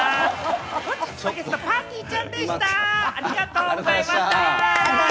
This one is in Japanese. ぱーてぃーちゃんでした、ありがとうございました。